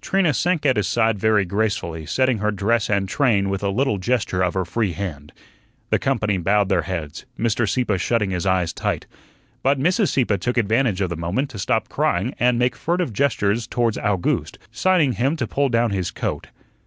Trina sank at his side very gracefully, setting her dress and train with a little gesture of her free hand. The company bowed their heads, Mr. Sieppe shutting his eyes tight. But Mrs. Sieppe took advantage of the moment to stop crying and make furtive gestures towards Owgooste, signing him to pull down his coat.